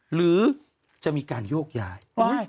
หรือจะมีการโยกย้าย